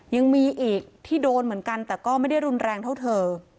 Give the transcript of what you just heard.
ยังมีอีกที่โดนเหมือนกันแต่ก็ไม่ได้รุนแรงเท่าเธอ